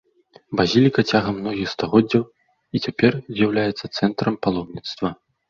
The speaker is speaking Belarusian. Базіліка цягам многіх стагоддзяў і цяпер з'яўляецца цэнтрам паломніцтва.